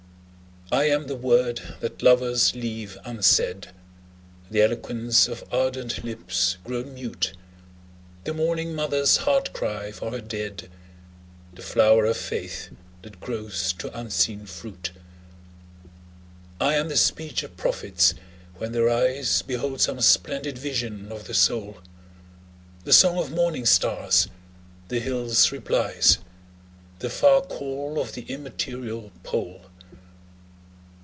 I am the word that lovers leave unsaid, The eloquence of ardent lips grown mute, The mourning mother's heart cry for her dead, The flower of faith that grows to unseen fruit. I am the speech of prophets when their eyes Behold some splendid vision of the soul; The song of morning stars, the hills' replies, The far call of the immaterial pole.